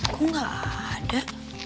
gue gak ada